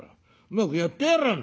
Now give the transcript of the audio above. うまくやってやらぁ